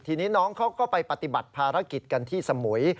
ทีนี้น้องเขาก็ไปปฏิบัติภารกิจกันที่สมุย